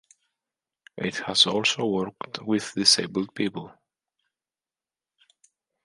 It has also worked with disabled people.